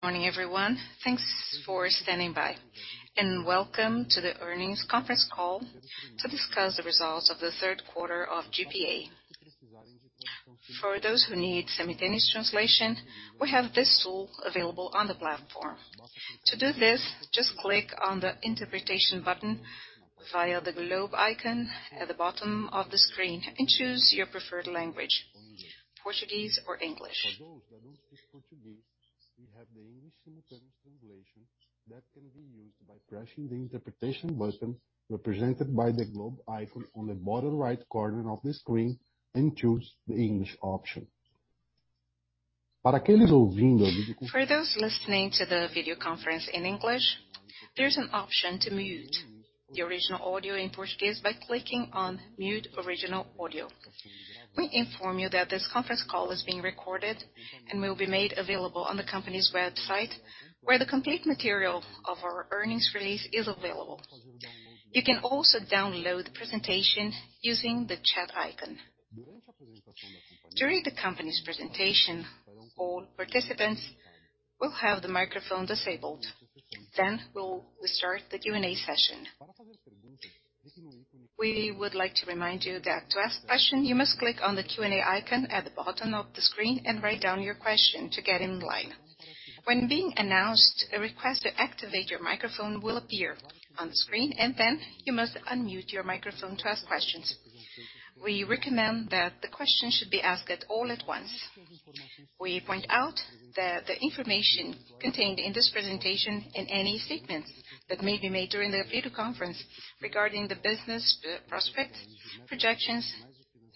Morning, everyone. Thanks for standing by. Welcome to the Earnings Conference Call to Discuss The Results of The Third Quarter of GPA. For those who need simultaneous translation, we have this tool available on the platform. To do this, just click on the interpretation button via the globe icon at the bottom of the screen and choose your preferred language, Portuguese or English. For those that don't speak Portuguese, we have the English simultaneous translation that can be used by pressing the interpretation button, represented by the globe icon on the bottom right corner of the screen, and choose the English option. For those listening to the video conference in English, there's an option to mute the original audio in Portuguese by clicking on Mute Original Audio. We inform you that this conference call is being recorded and will be made available on the company's website, where the complete material of our earnings release is available. You can also download the presentation using the chat icon. During the company's presentation, all participants will have the microphone disabled. We'll start the Q&A session. We would like to remind you that to ask question, you must click on the Q&A icon at the bottom of the screen and write down your question to get in line. When being announced, a request to activate your microphone will appear on the screen, and then you must unmute your microphone to ask questions. We recommend that the questions should be asked all at once. We point out that the information contained in this presentation and any statements that may be made during the video conference regarding the business prospect, projections,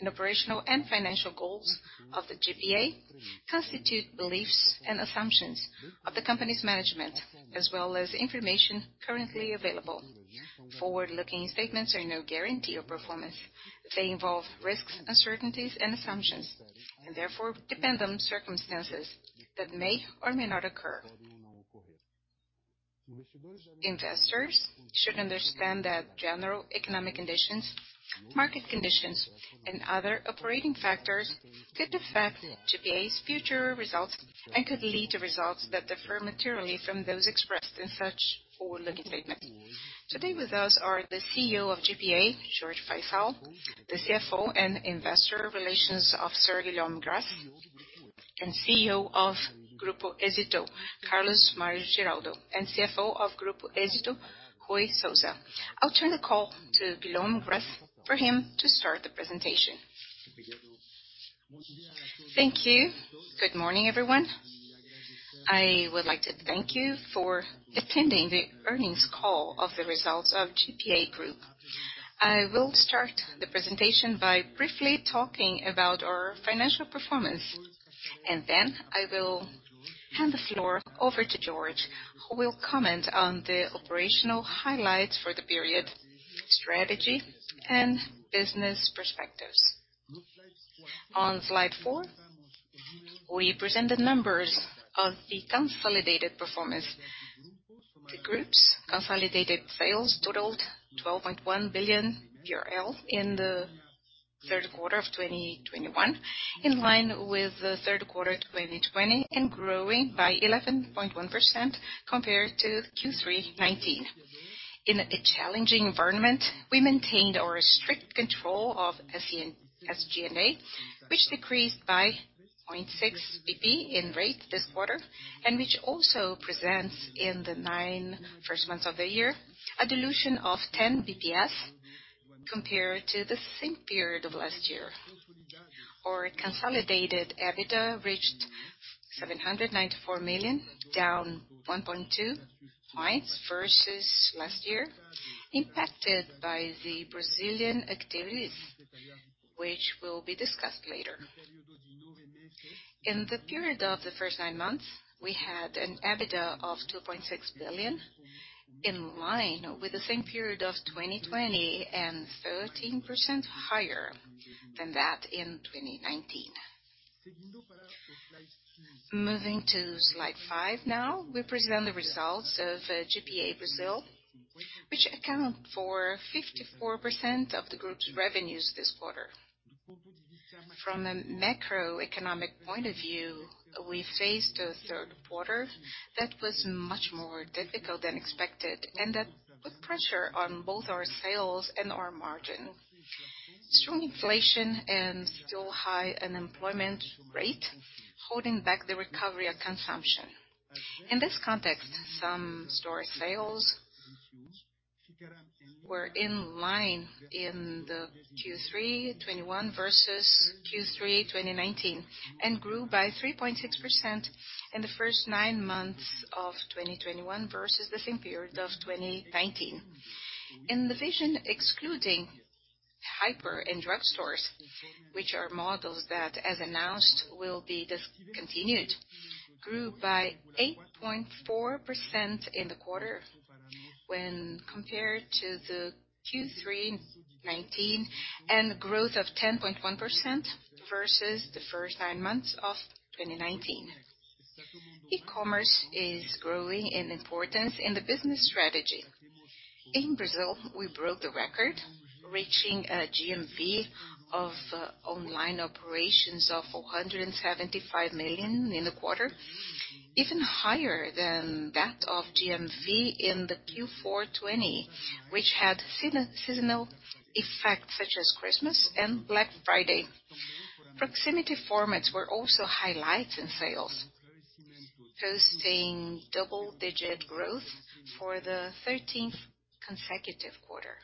and operational and financial goals of the GPA constitute beliefs and assumptions of the company's management, as well as information currently available. Forward-looking statements are no guarantee of performance. They involve risks, uncertainties, and assumptions, and therefore depend on circumstances that may or may not occur. Investors should understand that general economic conditions, market conditions, and other operating factors could affect GPA's future results and could lead to results that differ materially from those expressed in such forward-looking statements. Today with us are the CEO of GPA, Jorge Faiçal, the CFO and Investor Relations Officer, Guillaume Gras, and CEO of Grupo Éxito, Carlos Mario Giraldo, and CFO of Grupo Éxito, Ruy Souza. I'll turn the call to Guillaume Gras for him to start the presentation. Thank you. Good morning, everyone. I would like to thank you for attending the earnings call of the results of GPA Group. I will start the presentation by briefly talking about our financial performance, and then I will hand the floor over to Jorge Faiçal, who will comment on the operational highlights for the period, strategy, and business perspectives. On slide four, we present the numbers of the consolidated performance. The group's consolidated sales totaled 12.1 billion in the third quarter of 2021, in line with the third quarter 2020 and growing by 11.1% compared to Q3 2019. In a challenging environment, we maintained our strict control of SG&A, which decreased by 0.6 basis points in rate this quarter, and which also presents in the first nine months of the year a dilution of 10 basis points compared to the same period of last year. Our consolidated EBITDA reached 794 million, down 1.2 points versus last year, impacted by the Brazilian activities which will be discussed later. In the period of the first nine months, we had an EBITDA of 2.6 billion, in line with the same period of 2020 and 13% higher than that in 2019. Moving to slide five now, we present the results of GPA Brazil, which account for 54% of the group's revenues this quarter. From a macroeconomic point of view, we faced a third quarter that was much more difficult than expected, and that put pressure on both our sales and our margin with strong inflation and a still high unemployment rate are holding back the recovery of consumption. In this context, same-store sales were in line in Q3 2021 versus Q3 2019, and grew by 3.6% in the first nine months of 2021 versus the same period of 2019. In the vision excluding hyper and drugstores, which are models that, as announced, will be discontinued, same-store sales grew by 8.4% in the quarter when compared to Q3 2019, and a growth of 10.1% versus the first nine months of 2019. E-commerce is growing in importance in the business strategy. In Brazil, we broke the record reaching GMV of online operations of 475 million in the quarter. Even higher than that of GMV in the Q4 2020, which had seasonal effects such as Christmas and Black Friday. Proximity formats were also highlights in sales, posting double-digit growth for the 13th consecutive quarter.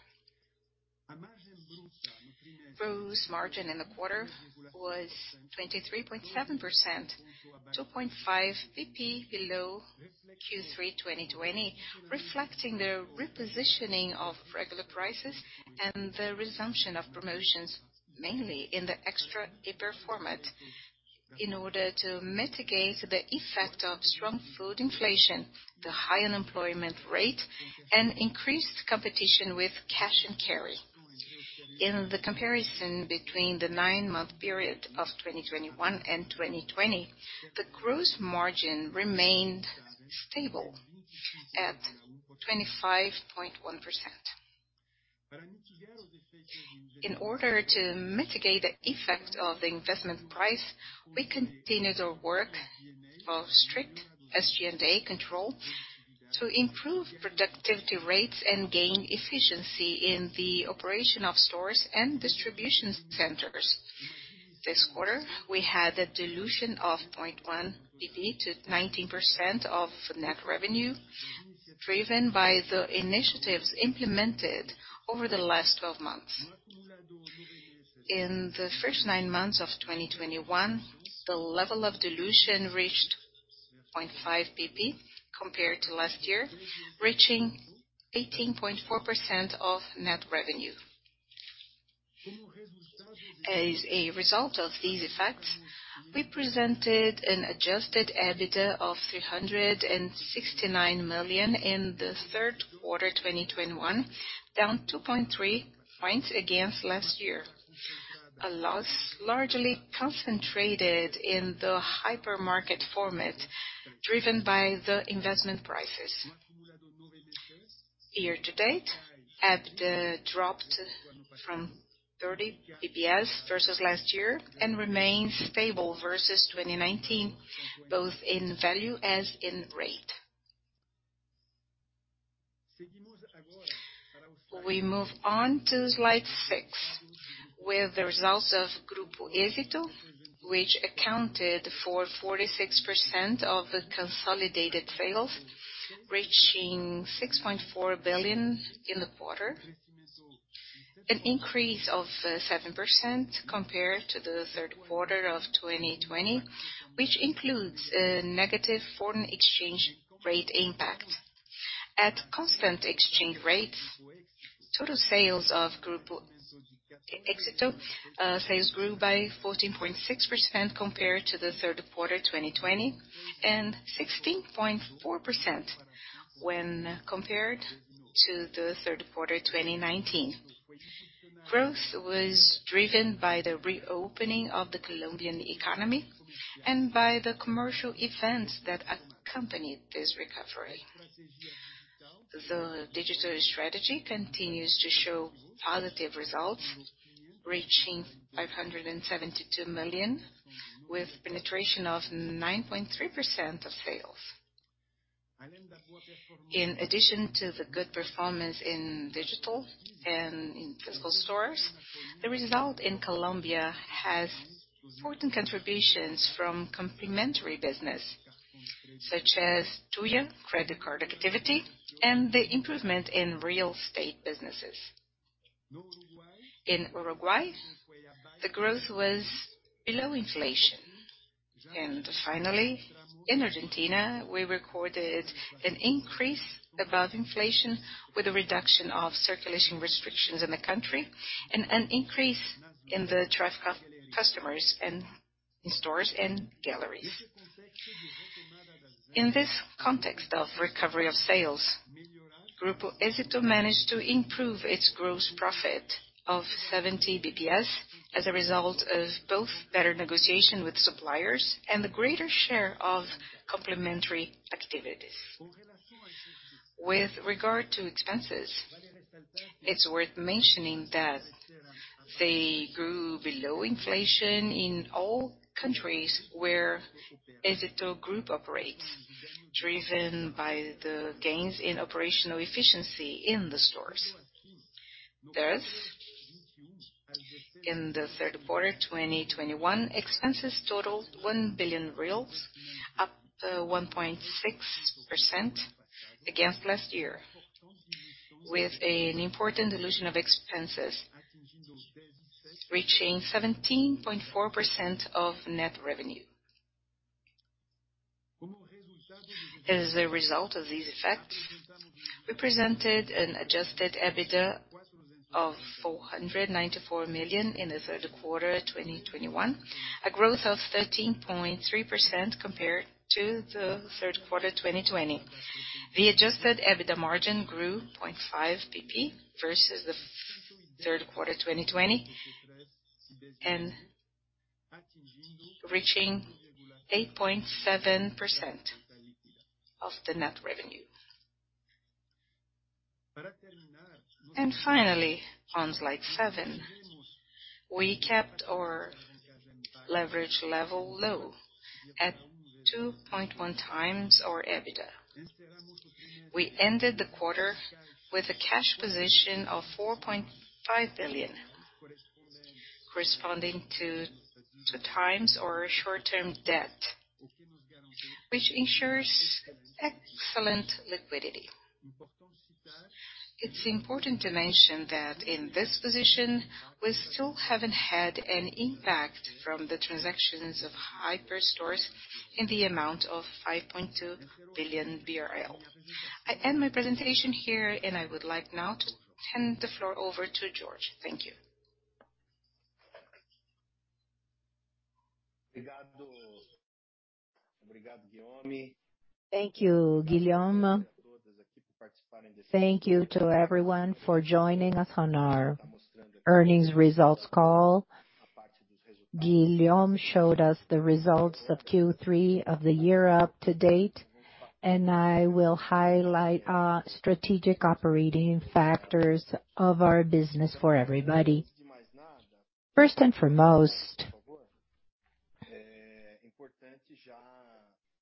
Gross margin in the quarter was 23.7%, 2.5 bps below Q3 2020. Reflecting the repositioning of regular prices and the resumption of promotions, mainly in the Extra Hiper format in order to mitigate the effect of strong food inflation, the high unemployment rate and increased competition with cash and carry. In the comparison between the nine-month period of 2021 and 2020, the gross margin remained stable at 25.1%. In order to mitigate the effect of the investment price, we continued our work of strict SG&A control to improve productivity rates and gain efficiency in the operation of stores and distribution centers. This quarter we had a dilution of 0.1 percentage point to 19% of net revenue, driven by the initiatives implemented over the last 12 months. In the first nine months of 2021, the level of dilution reached 0.5 percentage point compared to last year, reaching 18.4% of net revenue. As a result of these effects, we presented an Adjusted EBITDA of 369 million in the third quarter 2021, down 2.3 percentage points against last year, a loss largely concentrated in the hypermarket format, driven by the investment prices. Year to date, EBITDA dropped from 30 basis points versus last year and remains stable versus 2019, both in value and in rate. We move on to slide six, where the results of Grupo Éxito, which accounted for 46% of the consolidated sales, reaching 6.4 billion in the quarter. An increase of 7% compared to the third quarter of 2020, which includes a negative foreign exchange rate impact. At constant exchange rates, total sales of Grupo Éxito sales grew by 14.6% compared to the third quarter 2020 and 16.4% when compared to the third quarter 2019. Growth was driven by the reopening of the Colombian economy and by the commercial events that accompanied this recovery. The digital strategy continues to show positive results, reaching 572 million, with penetration of 9.3% of sales. In addition to the good performance in digital and in physical stores, the result in Colombia has important contributions from complementary business such as Tuya credit card activity and the improvement in real estate businesses. In Uruguay, the growth was below inflation. Finally, in Argentina, we recorded an increase above inflation with a reduction of circulation restrictions in the country and an increase in the traffic of customers and in stores and galleries. In this context of recovery of sales, Grupo Éxito managed to improve its gross profit of 70 basis points as a result of both better negotiation with suppliers and the greater share of complementary activities. With regard to expenses, it's worth mentioning that they grew below inflation in all countries where Grupo Éxito operates, driven by the gains in operational efficiency in the stores. Thus, in the third quarter 2021, expenses totaled BRL 1 billion, up 1.6% against last year, with an important dilution of expenses reaching 17.4% of net revenue. As a result of these effects, we presented an Adjusted EBITDA of 494 million in the third quarter 2021, a growth of 13.3% compared to the third quarter 2020. The Adjusted EBITDA margin grew 0.5 percentage points versus the third quarter 2020, and reaching 8.7% of the net revenue. Finally, on slide seven, we kept our leverage level low at 2.1x our EBITDA. We ended the quarter with a cash position of 4.5 billion, corresponding to 2x our short-term debt, which ensures excellent liquidity. It's important to mention that in this position, we still haven't had an impact from the transactions of hyper stores in the amount of 5.2 billion BRL. I end my presentation here, and I would like now to hand the floor over to Jorge. Thank you. Thank you, Guillaume. Thank you to everyone for joining us on our earnings results call. Guillaume showed us the results of Q3 of the year up to date, and I will highlight our strategic operating factors of our business for everybody. First and foremost,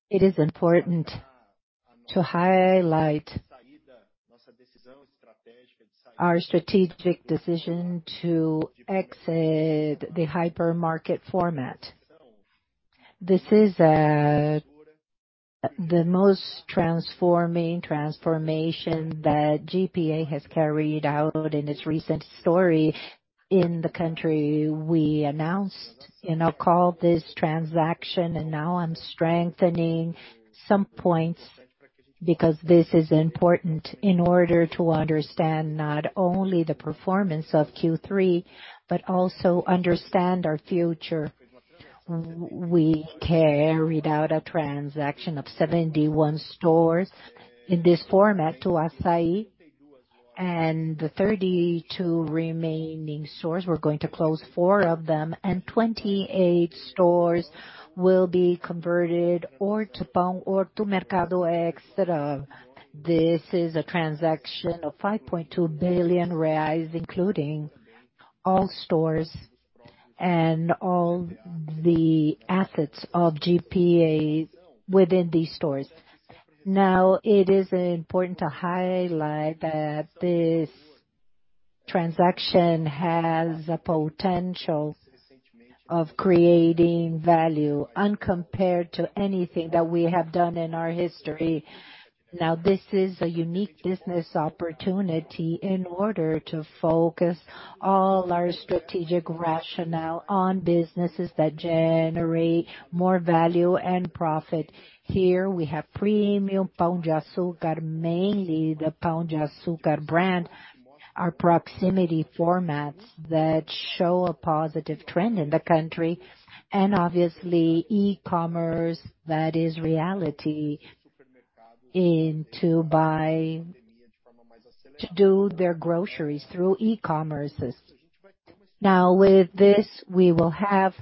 it is important to highlight our strategic decision to exit the hypermarket format. This is the most transforming transformation that GPA has carried out in its recent history in the country we announced. I'll call this transaction, and now I'm strengthening some points because this is important in order to understand not only the performance of Q3, but also understand our future. We carried out a transaction of 71 stores in this format to Assaí. The 32 remaining stores, we're going to close four of them, and 28 stores will be converted or to Pão or to Mercado Extra. This is a transaction of 5.2 billion reais, including all stores and all the assets of GPA within these stores. Now, it is important to highlight that this transaction has a potential of creating value unparalleled to anything that we have done in our history. Now, this is a unique business opportunity in order to focus all our strategic rationale on businesses that generate more value and profit. Here we have Premium, Pão de Açúcar, mainly the Pão de Açúcar brand, our proximity formats that show a positive trend in the country. Obviously, e-commerce, that is the reality to buy to do their groceries through e-commerce. Now with this, we will have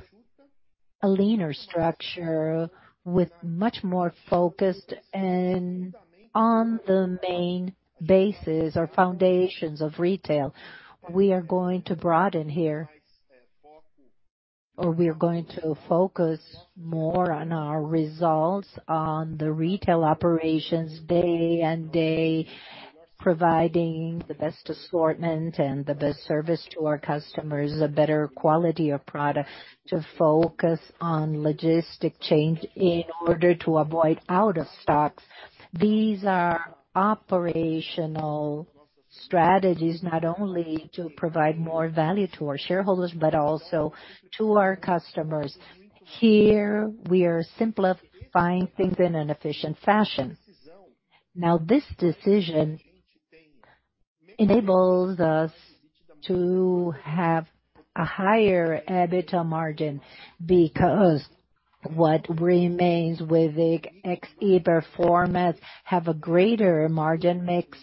a leaner structure with much more focused and on the main bases or foundations of retail. We are going to broaden here, or we are going to focus more on our results on the retail operations day-to-day, providing the best assortment and the best service to our customers, a better quality of product to focus on logistics chain in order to avoid out of stocks. These are operational strategies not only to provide more value to our shareholders, but also to our customers. Here we are simplifying things in an efficient fashion. Now, this decision enables us to have a higher EBITDA margin because what remains without the ex-hyper format have a greater margin mix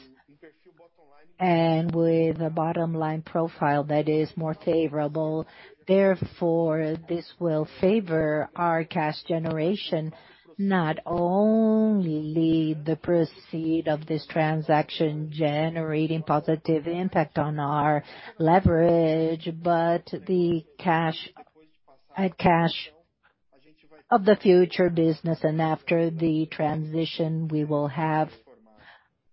and with a bottom line profile that is more favorable. Therefore, this will favor our cash generation, not only the proceeds of this transaction generating positive impact on our leverage, but the cash generation of the future business. After the transition, we will have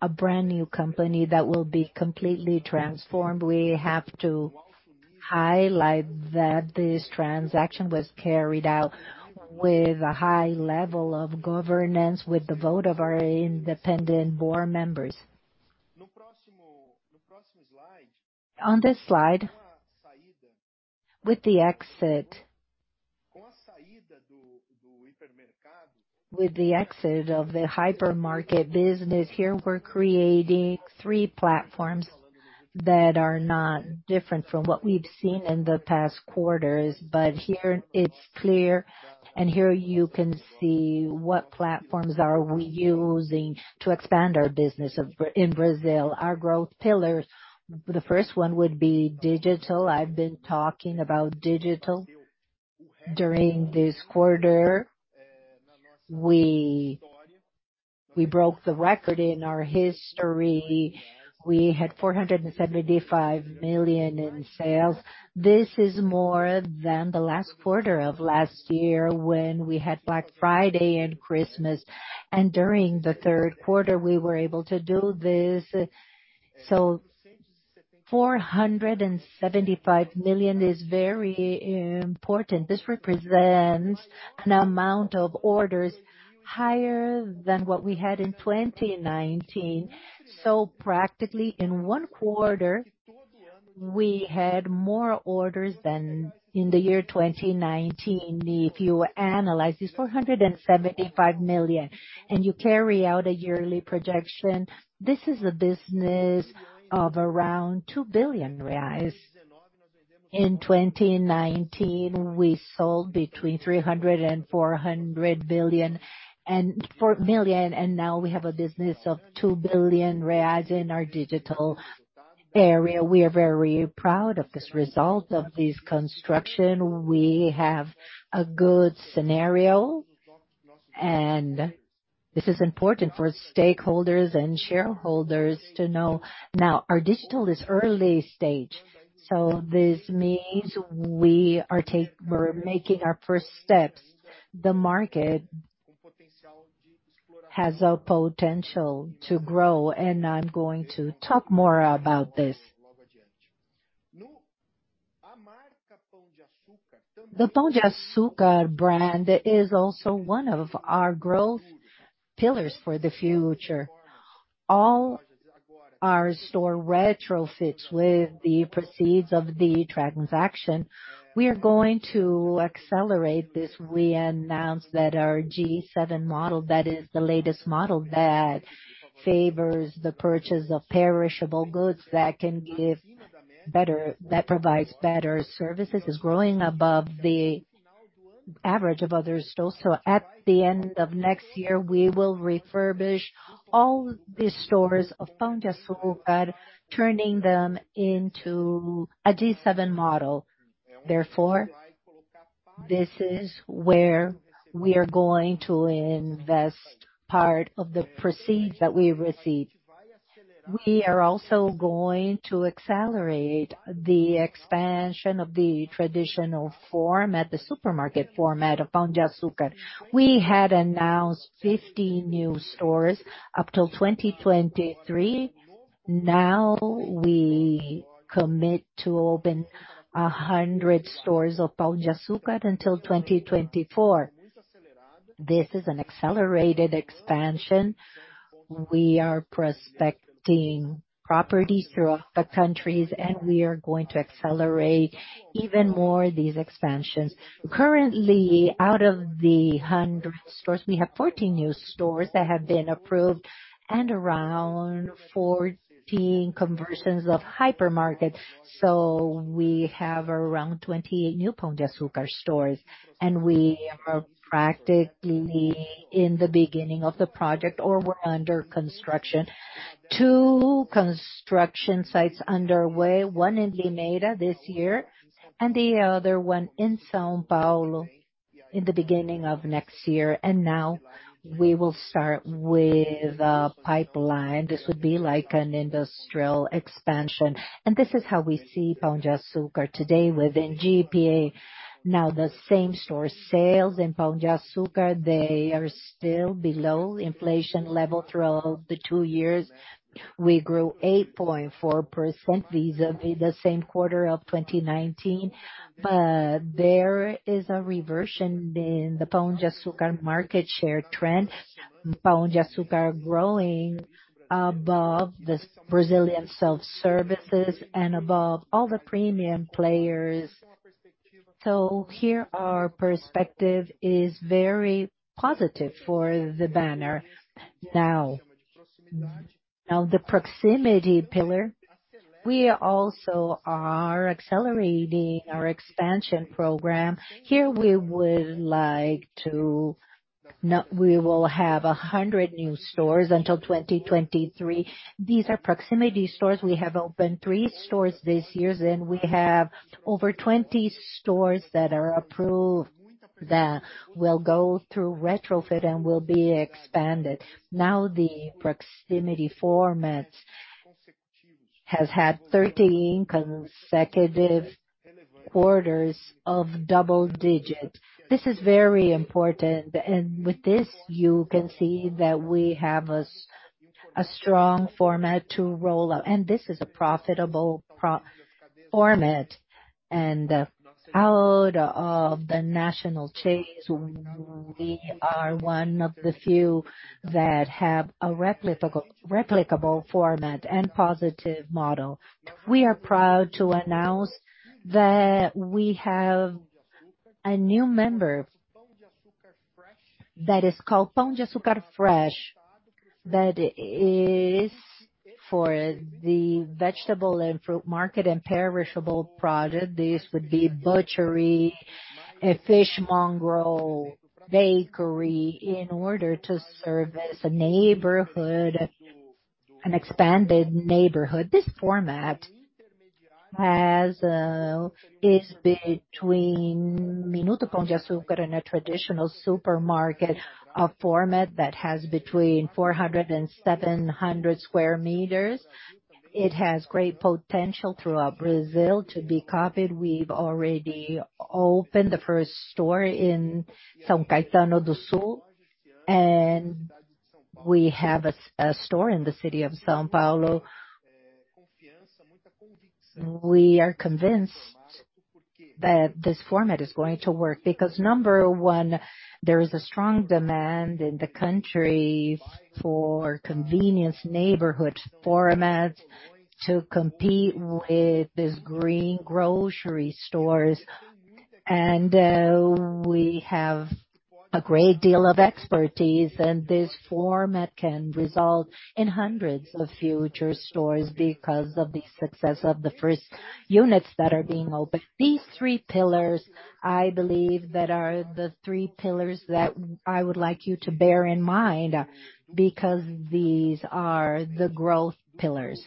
a brand new company that will be completely transformed. We have to highlight that this transaction was carried out with a high level of governance, with the vote of our independent board members. On this slide, with the exit of the hypermarket business here, we're creating three platforms that are not different from what we've seen in the past quarters. Here it's clear, and here you can see what platforms are we using to expand our business in Brazil, our growth pillars. The first one would be digital. I've been talking about digital during this quarter. We broke the record in our history. We had 475 million in sales. This is more than the last quarter of last year when we had Black Friday and Christmas. During the third quarter, we were able to do this. So 475 million is very important. This represents an amount of orders higher than what we had in 2019. So practically in one quarter, we had more orders than in the year 2019. If you analyze this 475 million and you carry out a yearly projection, this is a business of around 2 billion reais. In 2019, we sold between 300 million-400 million, and now we have a business of 2 billion reais in our digital area. We are very proud of this result of this construction. We have a good scenario, and this is important for stakeholders and shareholders to know. Now, our digital is early stage, so this means we're making our first steps. The market has a potential to grow, and I'm going to talk more about this. The Pão de Açúcar brand is also one of our growth pillars for the future. All our store retrofits with the proceeds of the transaction, we are going to accelerate this. We announced that our G7 model, that is the latest model that favors the purchase of perishable goods that provides better services, is growing above the average of other stores. At the end of next year, we will refurbish all the stores of Pão de Açúcar, turning them into a G7 model. Therefore, this is where we are going to invest part of the proceeds that we received. We are also going to accelerate the expansion of the traditional form at the supermarket format of Pão de Açúcar. We had announced 50 new stores up till 2023. Now we commit to open 100 stores of Pão de Açúcar until 2024. This is an accelerated expansion. We are prospecting properties throughout the countries, and we are going to accelerate even more these expansions. Currently, out of the 100 stores, we have 14 new stores that have been approved and around 14 conversions of hypermarkets. So we have around 28 new Pão de Açúcar stores, and we are practically in the beginning of the project or we're under construction. Two construction sites underway, one in Limeira this year and the other one in São Paulo in the beginning of next year. Now we will start with a pipeline. This would be like an industrial expansion. This is how we see Pão de Açúcar today within GPA. Now, the same store sales in Pão de Açúcar, they are still below inflation level throughout the two years. We grew 8.4% vis-à-vis the same quarter of 2019. There is a reversion in the Pão de Açúcar market share trend. Pão de Açúcar is growing above the Brazilian self-services and above all the premium players. Here our perspective is very positive for the banner. Now, the proximity pillar, we also are accelerating our expansion program. We will have 100 new stores until 2023. These are proximity stores. We have opened three stores this year, and we have over 20 stores that are approved that will go through retrofit and will be expanded. Now, the proximity format has had 13 consecutive quarters of double-digit. This is very important. With this you can see that we have a strong format to roll out and this is a profitable format. Out of the national chains, we are one of the few that have a replicable format and positive model. We are proud to announce that we have a new member that is called Pão de Açúcar Fresh. That is for the vegetable and fruit market and perishable product. This would be butchery, a fishmonger, bakery in order to service a neighborhood, an expanded neighborhood. This format has is between Minuto Pão de Açúcar and a traditional supermarket, a format that has between 400 and 700 sq m. It has great potential throughout Brazil to be copied. We've already opened the first store in São Caetano do Sul, and we have a store in the city of São Paulo. We are convinced that this format is going to work because number one, there is a strong demand in the country for convenience neighborhood formats to compete with these green grocery stores. We have a great deal of expertise, and this format can result in hundreds of future stores because of the success of the first units that are being opened. These three pillars, I believe that are the three pillars that I would like you to bear in mind because these are the growth pillars.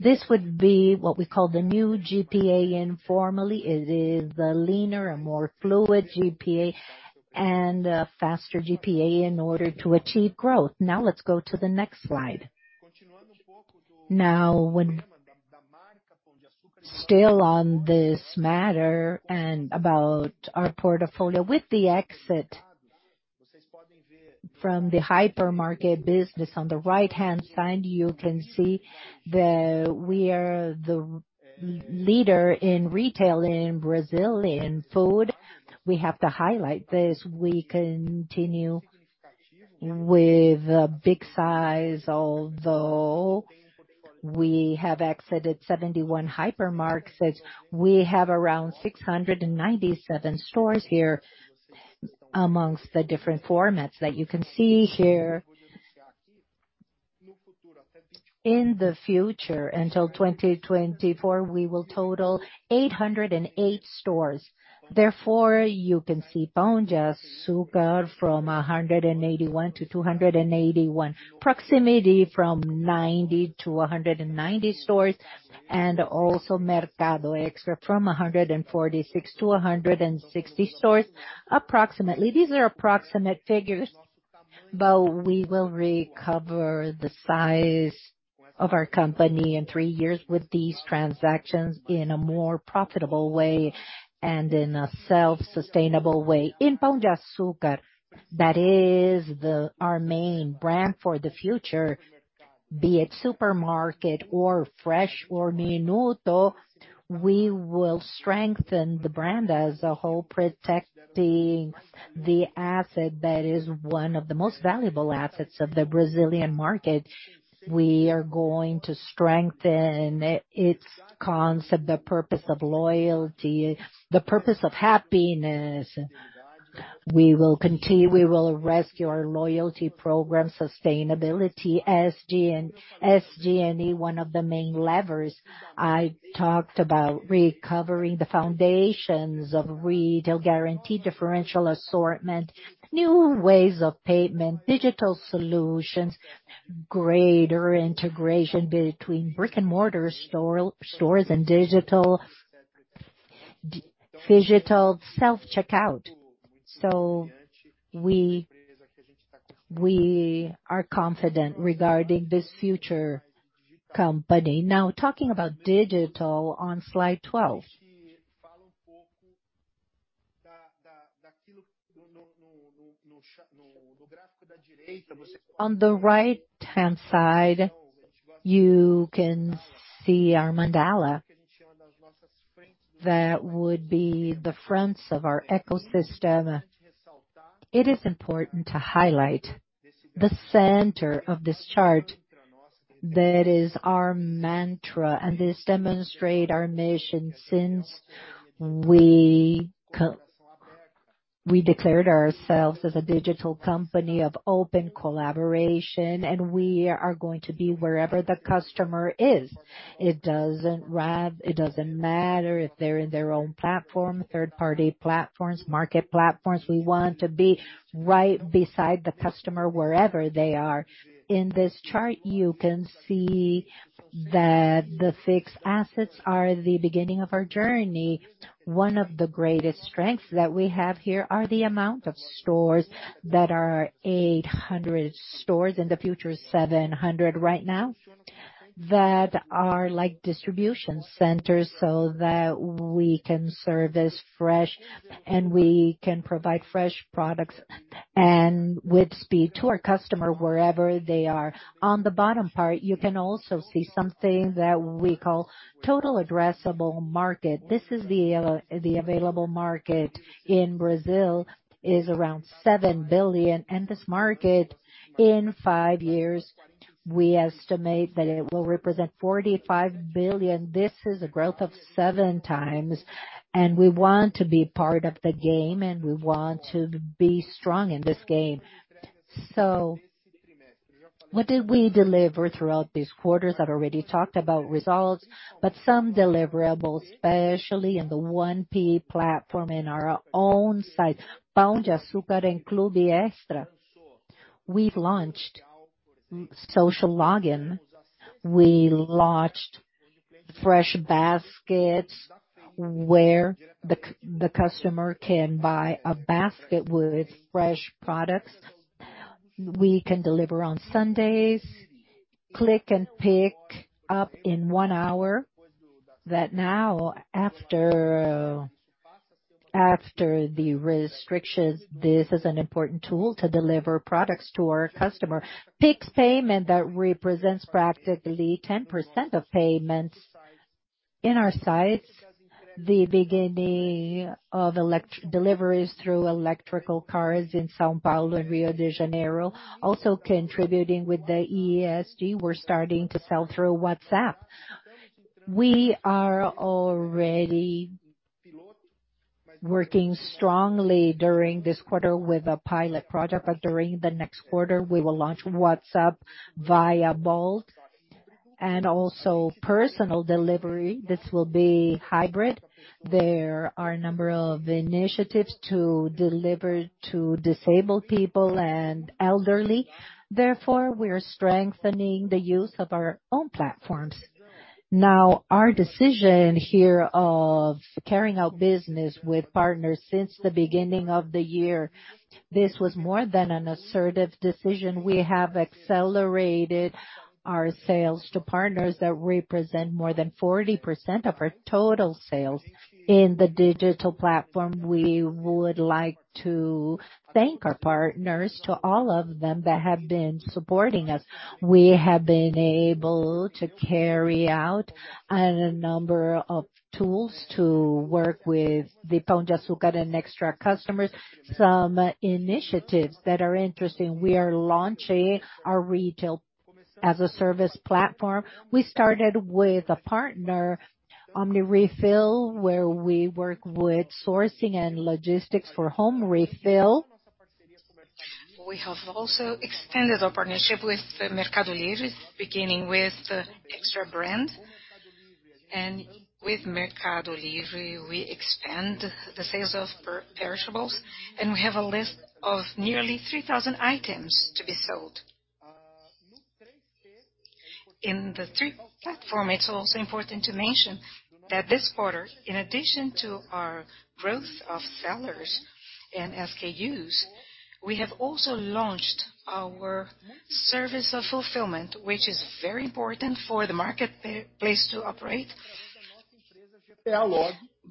This would be what we call the new GPA informally. It is a leaner, a more fluid GPA and a faster GPA in order to achieve growth. Now let's go to the next slide. Still on this matter and about our portfolio. With the exit from the hypermarket business, on the right-hand side, you can see that we are the leader in retail in Brazil in food. We have to highlight this. We continue with a big size, although we have exited 71 hypermarkets. We have around 697 stores here amongst the different formats that you can see here. In the future, until 2024, we will total 808 stores. Therefore, you can see Pão de Açúcar from 181 to 281, Proximidade from 90 to 190 stores, and also Mercado Extra from 146 to 160 stores approximately. These are approximate figures, but we will recover the size of our company in three years with these transactions in a more profitable way and in a self-sustainable way. In Pão de Açúcar, that is our main brand for the future, be it supermarket or fresh or Minuto, we will strengthen the brand as a whole, protecting the asset that is one of the most valuable assets of the Brazilian market. We are going to strengthen its concept, the purpose of loyalty, the purpose of happiness. We will rescue our loyalty program sustainability, SG&A, one of the main levers. I talked about recovering the foundations of retail, guaranteed differential assortment, new ways of payment, digital solutions, greater integration between brick-and-mortar stores and digital self-checkout. We are confident regarding this future company. Now talking about digital on slide twelve. On the right-hand side, you can see our mandala. That would be the fronts of our ecosystem. It is important to highlight the center of this chart. That is our mantra, and this demonstrate our mission since we declared ourselves as a digital company of open collaboration, and we are going to be wherever the customer is. It doesn't matter if they're in their own platform, third-party platforms, market platforms. We want to be right beside the customer wherever they are. In this chart, you can see that the fixed assets are the beginning of our journey. One of the greatest strengths that we have here are the amount of stores that are 800 stores, in the future 700 right now, that are like distribution centers so that we can service fresh and we can provide fresh products and with speed to our customer wherever they are. On the bottom part, you can also see something that we call total addressable market. This is the available market in Brazil, which is around 7 billion. This market, in five years, we estimate that it will represent 45 billion. This is a growth of seven times, and we want to be part of the game, and we want to be strong in this game. What did we deliver throughout these quarters? I've already talked about results, but some deliverables, especially in the 1P platform in our own sites, Pão de Açúcar include the Extra. We've launched social login. We launched fresh baskets where the customer can buy a basket with fresh products. We can deliver on Sundays. Click and collect in one hour, that now after the restrictions, this is an important tool to deliver products to our customer. Pix payment that represents practically 10% of payments in our sites. The beginning of electric deliveries through electric cars in São Paulo and Rio de Janeiro. Also contributing with the ESG, we're starting to sell through WhatsApp. We are already working strongly during this quarter with a pilot project, but during the next quarter, we will launch WhatsApp via Bot and also personal delivery. This will be hybrid. There are a number of initiatives to deliver to disabled people and elderly. Therefore, we are strengthening the use of our own platforms. Now, our decision here of carrying out business with partners since the beginning of the year, this was more than an assertive decision. We have accelerated our sales to partners that represent more than 40% of our total sales in the digital platform. We would like to thank our partners, to all of them that have been supporting us. We have been able to carry out a number of tools to work with the Pão de Açúcar and Extra customers. Some initiatives that are interesting, we are launching our retail as a service platform. We started with a partner, HomeRefill, where we work with sourcing and logistics for home refill. We have also extended our partnership with Mercado Livre, beginning with the Extra brand. With Mercado Livre, we expand the sales of perishables, and we have a list of nearly 3,000 items to be sold. In the 3P platform, it's also important to mention that this quarter, in addition to our growth of sellers and SKUs, we have also launched our service of fulfillment, which is very important for the marketplace to operate.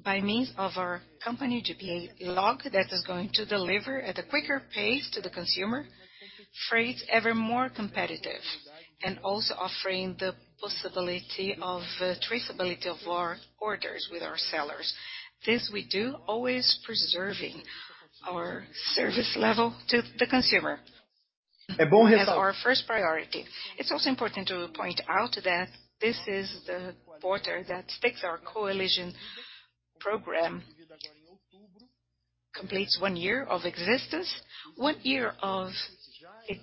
By means of our company, GPA Log, that is going to deliver at a quicker pace to the consumer, freight ever more competitive, and also offering the possibility of traceability of our orders with our sellers. This we do always preserving our service level to the consumer. As our first priority, it's also important to point out that this is the quarter that Stix, our coalition program, completes one year of existence. It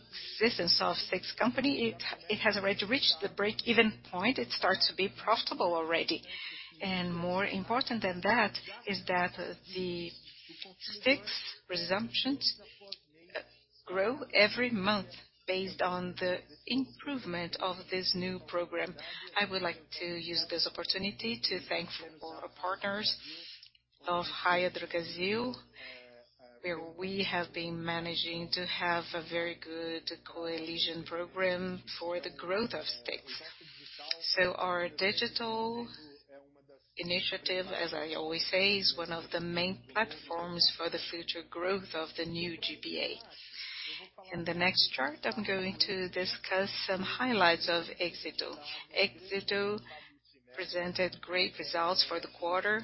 has already reached the break-even point. It starts to be profitable already. More important than that is that the Stix resumptions grow every month based on the improvement of this new program. I would like to use this opportunity to thank all partners of RaiaDrogasil, where we have been managing to have a very good coalition program for the growth of Stix. Our digital initiative, as I always say, is one of the main platforms for the future growth of the new GPA. In the next chart, I'm going to discuss some highlights of Éxito. Éxito presented great results for the quarter.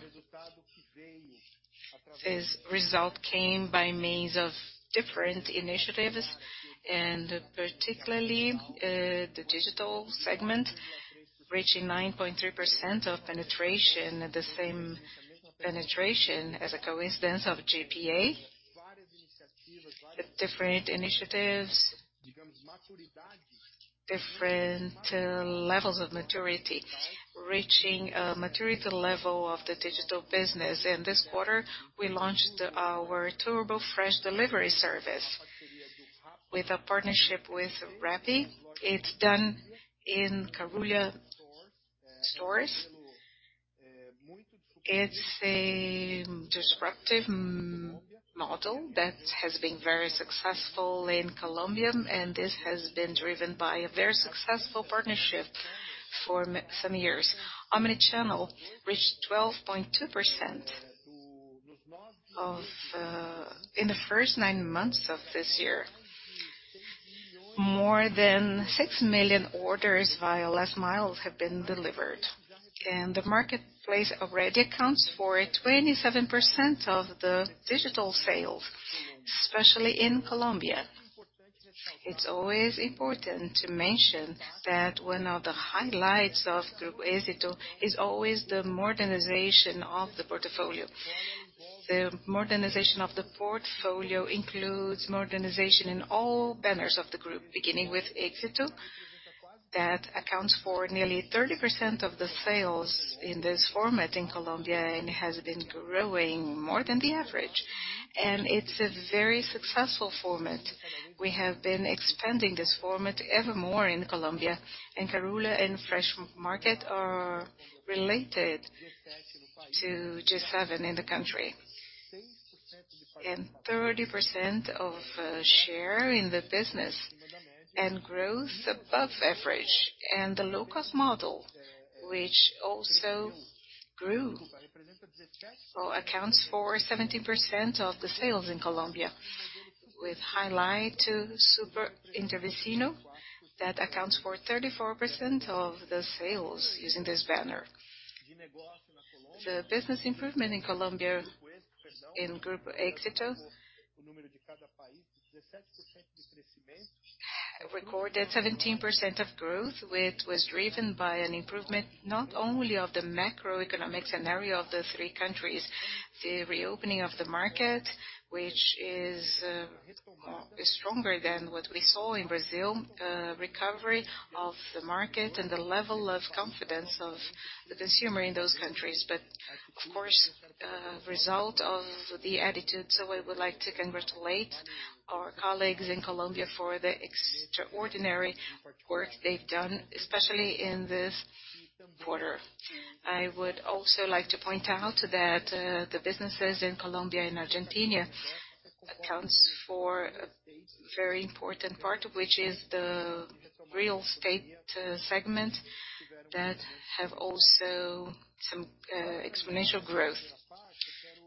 This result came by means of different initiatives, and particularly, the digital segment, reaching 9.3% of penetration, the same penetration as in Colombia of GPA. With different initiatives, levels of maturity, reaching a maturity level of the digital business. In this quarter, we launched our Turbo Fresh delivery service with a partnership with Rappi. It's done in Carulla stores. It's a disruptive model that has been very successful in Colombia, and this has been driven by a very successful partnership for some years. Omnichannel reached 12.2% of. In the first nine months of this year, more than 6 million orders via last mile have been delivered, and the marketplace already accounts for 27% of the digital sales, especially in Colombia. It's always important to mention that one of the highlights of Grupo Éxito is always the modernization of the portfolio. The modernization of the portfolio includes modernization in all banners of the group, beginning with Éxito. That accounts for nearly 30% of the sales in this format in Colombia and has been growing more than the average, and it's a very successful format. We have been expanding this format evermore in Colombia and Carulla and FreshMarket are related to just having in the country. Thirty percent of share in the business and growth above average and the low cost model which also grew or accounts for 17% of the sales in Colombia with highlight to Super Inter Vecino that accounts for 34% of the sales using this banner. The business improvement in Colombia in Grupo Éxito recorded 17% of growth, which was driven by an improvement not only of the macroeconomic scenario of the three countries, the reopening of the market, which is stronger than what we saw in Brazil, recovery of the market and the level of confidence of the consumer in those countries. Of course, result of the attitude. I would like to congratulate our colleagues in Colombia for the extraordinary work they've done, especially in this quarter. I would also like to point out that the businesses in Colombia and Argentina accounts for a very important part, which is the real estate segment that have also some exponential growth.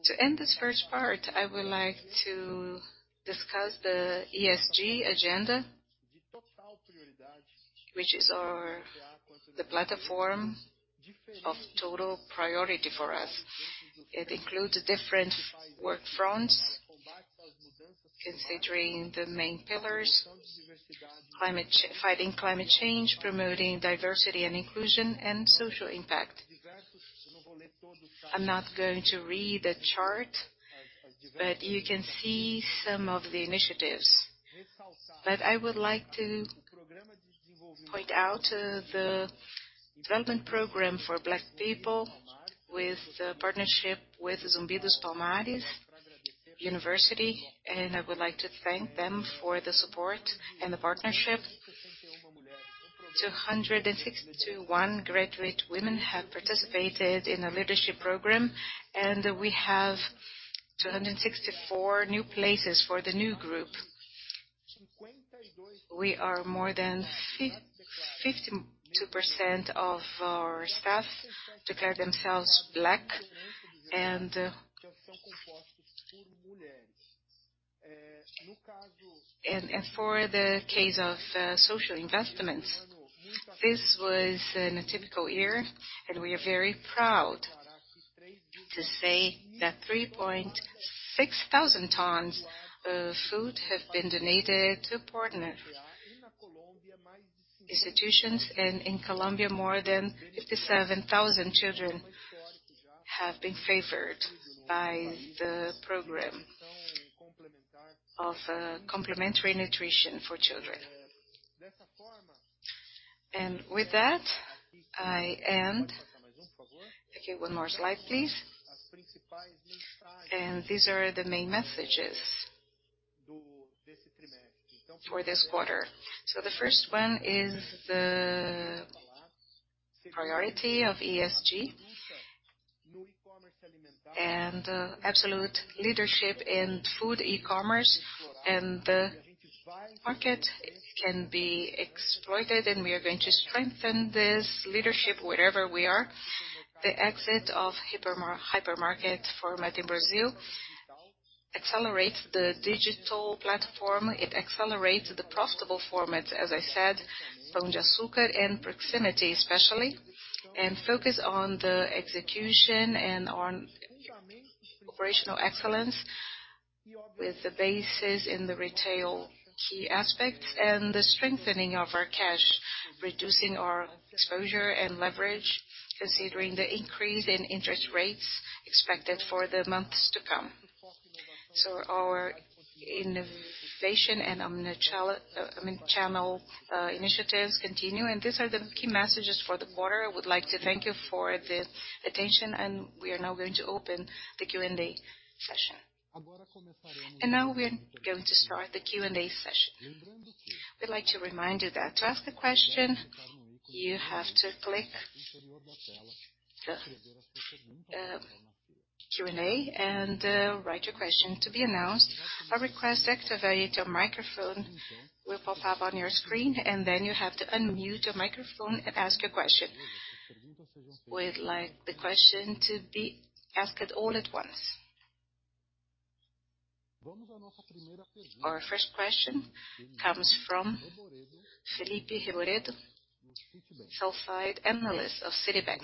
To end this first part, I would like to discuss the ESG agenda, which is our, the platform of total priority for us. It includes different work fronts considering the main pillars, fighting climate change, promoting diversity and inclusion and social impact. I'm not going to read the chart, but you can see some of the initiatives. I would like to point out the development program for Black people with partnership with Zumbi dos Palmares University, and I would like to thank them for the support and the partnership. 261 graduate women have participated in a leadership program and we have 264 new places for the new group. More than 52% of our staff declare themselves Black. For the case of social investments, this was an atypical year and we are very proud to say that 3,600 tons of food have been donated to partner institutions and in Colombia more than 57,000 children have been favored by the program of complementary nutrition for children. With that, I end. Okay, one more slide please. These are the main messages for this quarter. The first one is the priority of ESG and absolute leadership in food e-commerce and the market can be exploited and we are going to strengthen this leadership wherever we are. The exit of hypermarket format in Brazil accelerates the digital platform. It accelerates the profitable format as I said from Pão de Açúcar and proximity especially and focus on the execution and on operational excellence with the basis in the retail key aspects and the strengthening of our cash reducing our exposure and leverage considering the increase in interest rates expected for the months to come. Our innovation and omnichannel initiatives continue and these are the key messages for the quarter. I would like to thank you for the attention and we are now going to open the Q&A session. Now we are going to start the Q&A session. We'd like to remind you that to ask a question you have to click the Q&A and write your question to be announced. A request to activate your microphone will pop up on your screen and then you have to unmute your microphone and ask your question. We'd like the question to be asked all at once. Our first question comes from João Pedro Soares, Sell-Side Analyst of Citi. João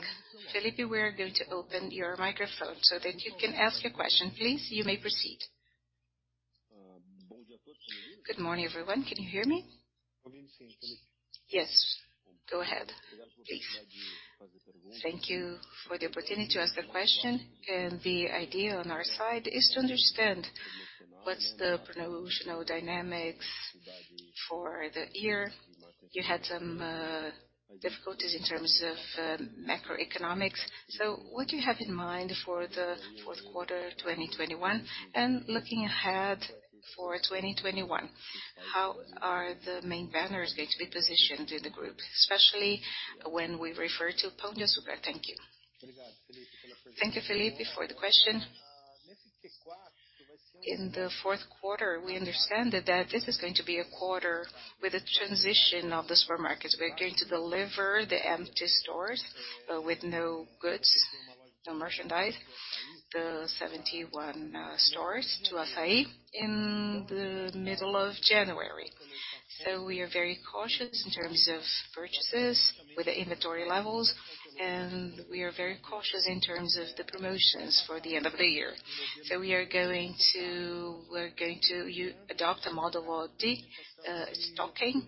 Pedro Soares, we are going to open your microphone so that you can ask your question please. You may proceed. Good morning everyone. Can you hear me? Yes.Go ahead please. Thank you for the opportunity to ask the question and the idea on our side is to understand. What's the promotional dynamics for the year? You had some difficulties in terms of macroeconomics. What do you have in mind for the fourth quarter 2021? Looking ahead for 2021, how are the main banners going to be positioned in the group, especially when we refer to Pão de Açúcar. Thank you. Thank you, João, for the question. In the fourth quarter, we understand that this is going to be a quarter with a transition of the supermarkets. We're going to deliver the empty stores with no goods, no merchandise, the 71 stores to Assaí in the middle of January. We are very cautious in terms of purchases with the inventory levels, and we are very cautious in terms of the promotions for the end of the year. We are going to adopt a model of de-stocking,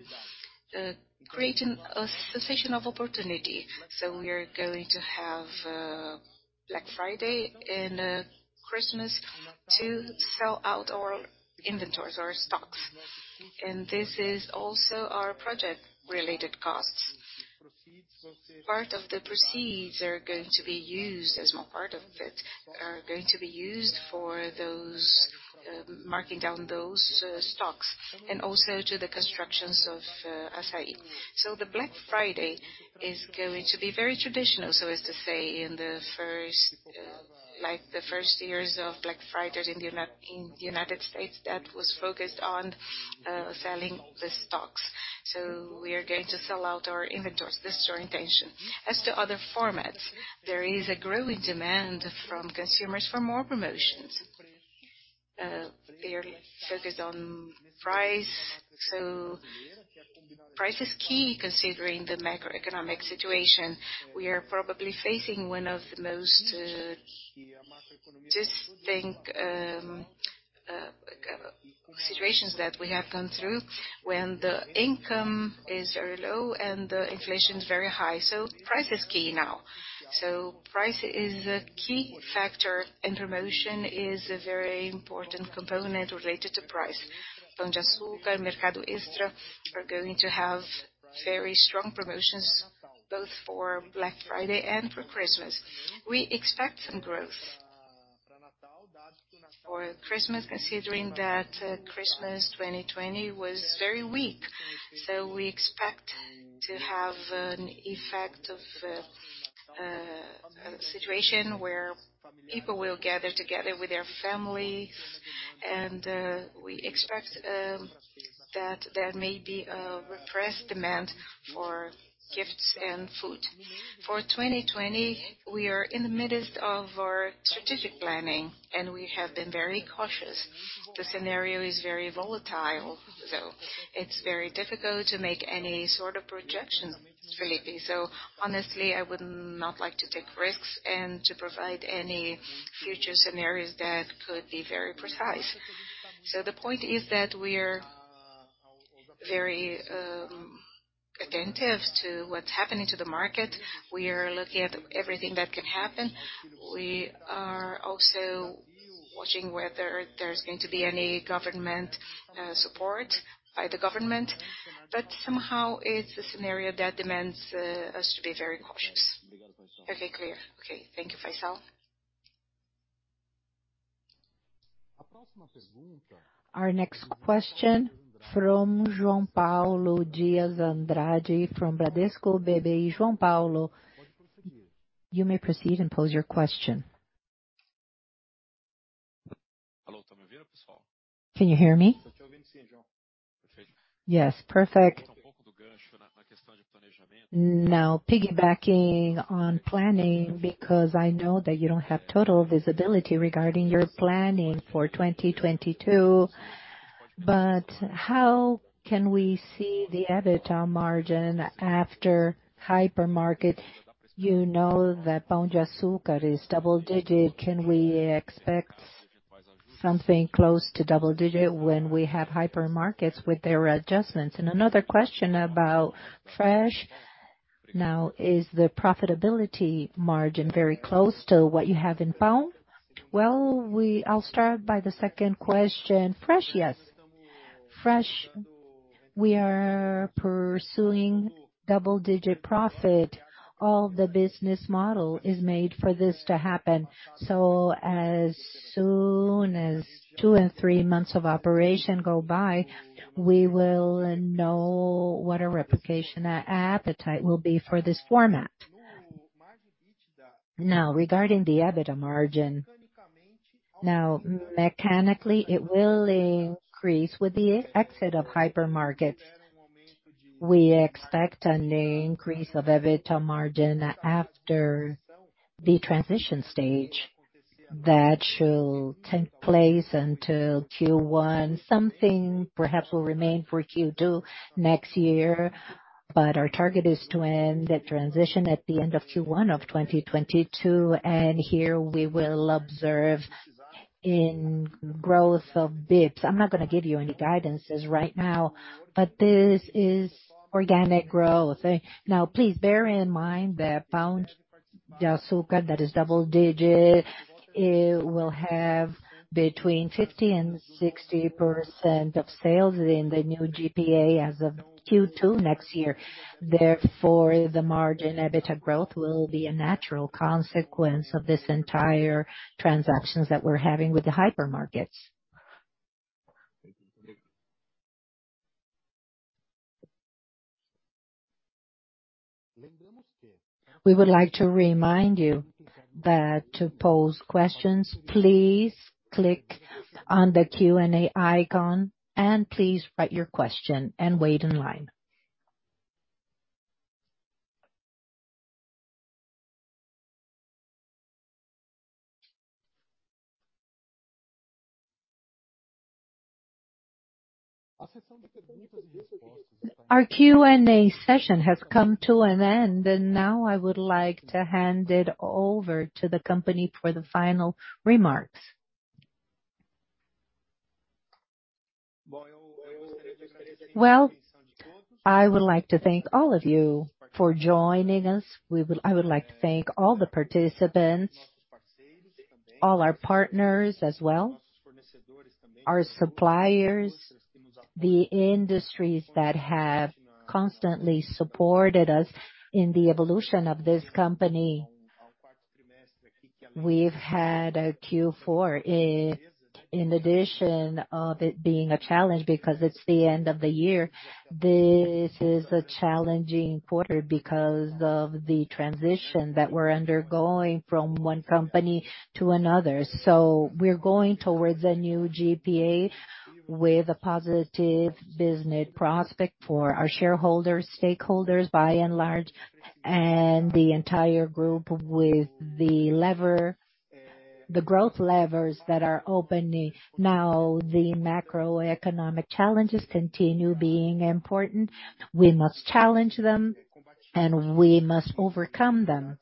creating a sensation of opportunity. We are going to have Black Friday and Christmas to sell out our inventories, our stocks. This is also our project-related costs. Part of the proceeds are going to be used, a small part of it, for those marking down those stocks and also to the constructions of Assaí. The Black Friday is going to be very traditional, so as to say, in the first years of Black Friday in the United States that was focused on selling the stocks. We are going to sell out our inventories. That's our intention. As to other formats, there is a growing demand from consumers for more promotions. They're focused on price. Price is key considering the macroeconomic situation. We are probably facing one of the most distinct situations that we have gone through when the income is very low and the inflation is very high. Price is key now. Price is a key factor, and promotion is a very important component related to price. Pão de Açúcar, Mercado Extra are going to have very strong promotions both for Black Friday and for Christmas. We expect some growth for Christmas, considering that Christmas 2020 was very weak. We expect to have an effect of a situation where people will gather together with their family and we expect that there may be a repressed demand for gifts and food. For 2020, we are in the midst of our strategic planning, and we have been very cautious. The scenario is very volatile, so it's very difficult to make any sort of projections, João. Honestly, I would not like to take risks and to provide any future scenarios that could be very precise. The point is that we're very attentive to what's happening to the market. We are looking at everything that can happen. We are also watching whether there's going to be any government support by the government. Somehow it's a scenario that demands us to be very cautious. Okay. Clear. Okay. Thank you, Faiçal. Our next question from João Paulo Andrade from Bradesco BBI. João Paulo, you may proceed and pose your question. Can you hear me? Yes. Perfect. Now, piggybacking on planning, because I know that you don't have total visibility regarding your planning for 2022, but how can we see the EBITDA margin after hypermarket? You know that Pão de Açúcar is double-digit. Can we expect something close to double-digit when we have hypermarkets with their adjustments? Another question about Fresh now. Is the profitability margin very close to what you have in Pão? Well, I'll start by the second question. Fresh, yes. We are pursuing double-digit profit. All the business model is made for this to happen. So as soon as two and three months of operation go by, we will know what our replication appetite will be for this format. Now, regarding the EBITDA margin. Mechanically, it will increase with the exit of hypermarket. We expect an increase of EBITDA margin after the transition stage that should take place until Q1. Something perhaps will remain for Q2 next year, but our target is to end the transition at the end of Q1 of 2022, and here we will observe in growth of bps. I'm not gonna give you any guidances right now, but this is organic growth. Now please bear in mind that Pão de Açúcar is double digit. It will have between 50%-60% of sales in the new GPA as of Q2 next year. Therefore, the EBITDA margin growth will be a natural consequence of this entire transactions that we're having with the hypermarkets. We would like to remind you that to pose questions, please click on the Q&A icon and please write your question and wait in line. Our Q&A session has come to an end, and now I would like to hand it over to the company for the final remarks. Well, I would like to thank all of you for joining us. I would like to thank all the participants, all our partners as well, our suppliers, the industries that have constantly supported us in the evolution of this company. We've had a Q4, in addition to it being a challenge because it's the end of the year. This is a challenging quarter because of the transition that we're undergoing from one company to another. We're going towards a new GPA with a positive business prospect for our shareholders, stakeholders by and large, and the entire group with the growth levers that are opening. Now, the macroeconomic challenges continue being important. We must challenge them and we must overcome them.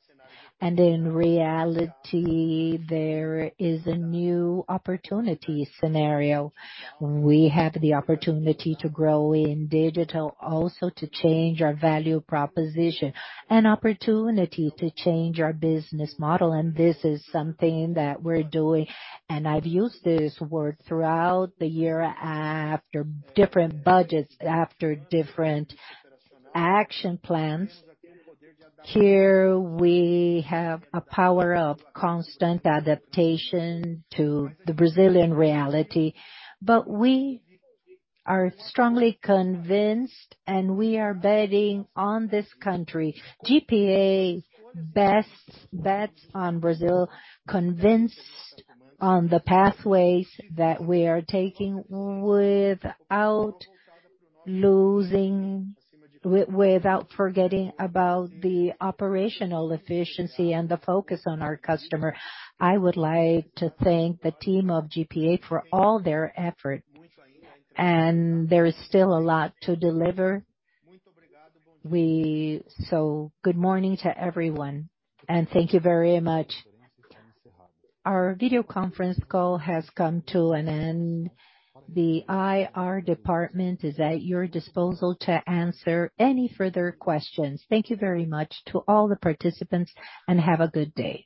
In reality, there is a new opportunity scenario. We have the opportunity to grow in digital, also to change our value proposition, an opportunity to change our business model. This is something that we're doing. I've used this word throughout the year after different budgets, after different action plans. Here we have a power of constant adaptation to the Brazilian reality. We are strongly convinced, and we are betting on this country. GPA best bets on Brazil, convinced on the pathways that we are taking without forgetting about the operational efficiency and the focus on our customer. I would like to thank the team of GPA for all their effort. There is still a lot to deliver. Good morning to everyone, and thank you very much. Our video conference call has come to an end. The IR department is at your disposal to answer any further questions. Thank you very much to all the participants, and have a good day.